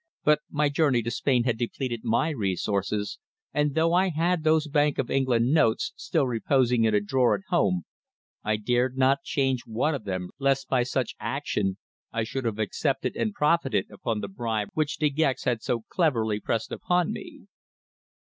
But my journey to Spain had depleted my resources, and though I had those Bank of England notes still reposing in a drawer at home, I dared not change one of them lest by such action I should have accepted and profited upon the bribe which De Gex had so cleverly pressed upon me.